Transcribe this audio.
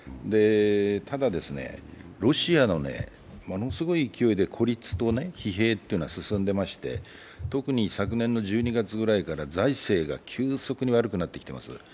ただロシアのものすごい勢いで孤立と疲弊が進んでいまして特に昨年の１２月ぐらいから財政が急速に悪くなってきています。